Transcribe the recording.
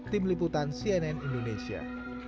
tim liputan cnn indonesia